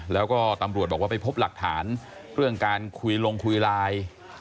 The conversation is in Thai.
แล้วก็ตำรวจบอกว่าไปพบหลักฐานเรื่องการคุยลงคุยไลน์